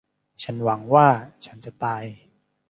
ฉันหวังว่าฉันจะตาย